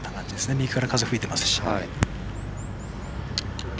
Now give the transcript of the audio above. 右から風も吹いていますし。